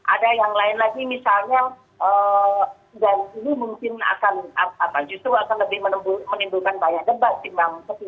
ada yang lain lagi misalnya dan ini mungkin akan justru akan lebih menimbulkan banyak debat timbang